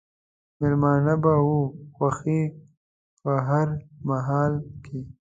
مېلمنه به وه خوښي په هر محل کښي